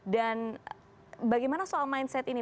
dan bagaimana soal mindset ini